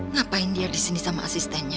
ngapain dia disini sama asistennya